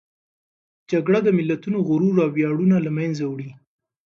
جګړه د ملتونو غرور او ویاړونه له منځه وړي.